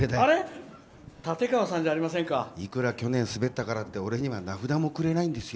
いくら去年、スベったからって俺には名札もくれないんですよ。